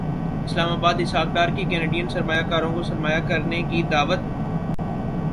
اسلام اباد اسحاق ڈار کی کینیڈین سرمایہ کاروں کو سرمایہ کاری کی دعوت